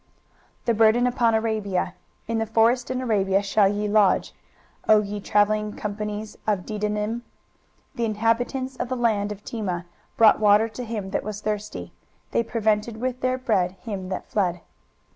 23:021:013 The burden upon Arabia. In the forest in Arabia shall ye lodge, O ye travelling companies of Dedanim. 23:021:014 The inhabitants of the land of Tema brought water to him that was thirsty, they prevented with their bread him that fled.